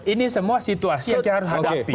ini semua situasi yang harus dihadapi